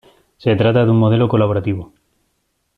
Se trata de un modelo colaborativo.